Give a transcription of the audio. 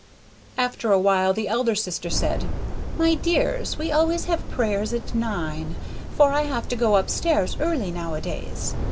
After a while the elder sister said, "My dears, we always have prayers at nine, for I have to go up stairs early nowadays."